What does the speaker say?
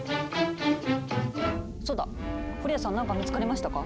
フォリアさん何か見つかりましたか？